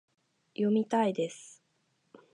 読みたいです